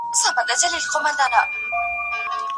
د سانسور له امله ټولني ته څه زيان رسېږي؟